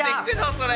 それ！